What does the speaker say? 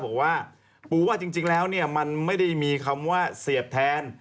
บอกว่าปูว่าจริงแล้วเนี่ยมันไม่ได้มีคำว่าเสียบแทน